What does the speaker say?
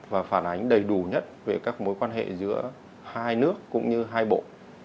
và phản ánh đầy đủ nhất về các mối quan hệ giữa hai nước cũng như hai bộ